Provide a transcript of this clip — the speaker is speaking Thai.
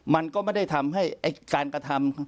มันก็ไม่ได้ทำให้การกระทำ